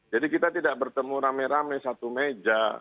jadi kita tidak bertemu rame rame satu meja